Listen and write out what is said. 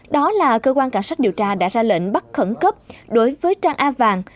đó là cơ quan cảnh sát điều tra đã ra lệnh bắt khẩn cấp đối với trang a vàng